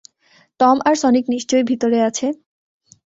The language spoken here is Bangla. টম আর সনিক নিশ্চয় ভিতরে আছে।